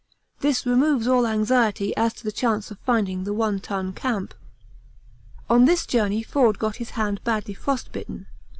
This removes all anxiety as to the chance of finding the One Ton Camp. On this journey Forde got his hand badly frostbitten.